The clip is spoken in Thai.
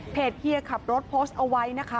เฮียขับรถโพสต์เอาไว้นะคะ